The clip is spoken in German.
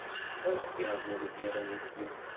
Auch er wurde deren Mitglied.